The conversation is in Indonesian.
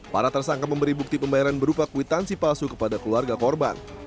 para tersangka memberi bukti pembayaran berupa kwitansi palsu kepada keluarga korban